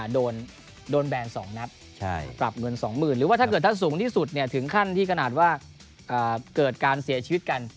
โดนแบน๒นักปรับเงิน๒หมื่นหรือถ้าสูงที่สุดถึงขั้นที่กระหนาดว่าเกิดการเสียชีวิตกัน